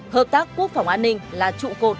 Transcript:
hợp tác quốc phòng an ninh là trụ cột